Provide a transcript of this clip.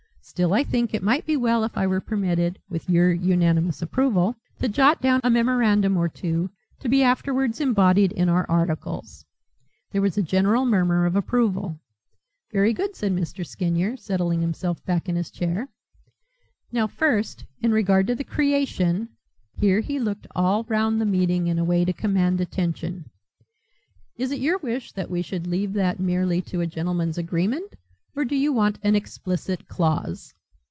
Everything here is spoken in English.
Still I think it might be well if I were permitted with your unanimous approval to jot down a memorandum or two to be afterwards embodied in our articles." There was a general murmur of approval. "Very good," said Mr. Skinyer, settling himself back in his chair. "Now, first, in regard to the creation," here he looked all round the meeting in a way to command attention "Is it your wish that we should leave that merely to a gentlemen's agreement or do you want an explicit clause?"